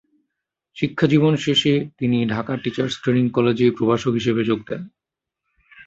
শিক্ষাজীবন শেষে তিনি Dhaka teachers training কলেজে প্রভাষক হিসেবে যোগ দেন।